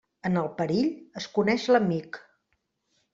En el perill es coneix l'amic.